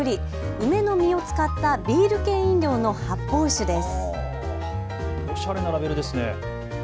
梅の実を使ったビール系飲料の発泡酒です。